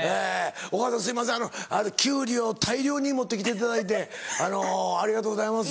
お母さんすいませんキュウリを大量に持って来ていただいてありがとうございます。